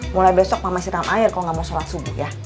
mulai besok mama siram air kalo gak mau sholat subuh ya